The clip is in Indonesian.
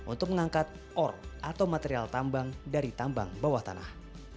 untuk mengangkat ore atau material tambang dari tambang bawah tanah